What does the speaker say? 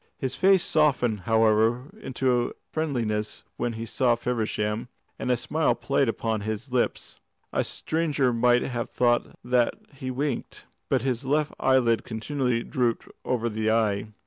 His face softened, however, into friendliness when he saw Feversham, and a smile played upon his lips. A stranger might have thought that he winked. But his left eyelid continually drooped over the eye.